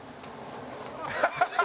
ハハハハ！